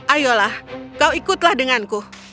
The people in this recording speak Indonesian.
ayolah kau ikutlah denganku